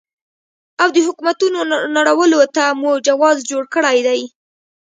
او د حکومتونو نړولو ته مو جواز جوړ کړی دی.